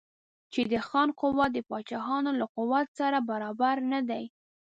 چې د خان قوت د پاچاهانو له قوت سره برابر نه دی.